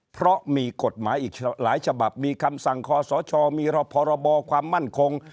เพราะมีกฎหมายอีกหลายฉบับมีคำสั่งคอสชมีพรบความมั่นคง